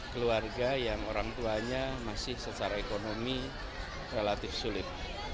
keluarga yang orang tuanya masih secara ekonomi relatif sulit